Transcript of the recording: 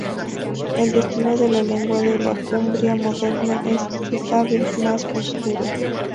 El destino de la lengua en la Cumbria moderna es, si cabe, más oscuro.